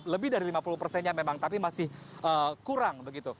lebih dari lima puluh persennya memang tapi masih kurang begitu